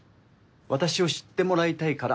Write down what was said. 私を知ってもらいたいから。